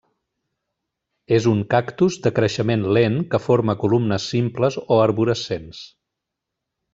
És un cactus de creixement lent que forma columnes simples o arborescents.